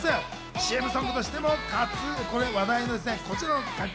ＣＭソングとしても話題のこちらの楽曲。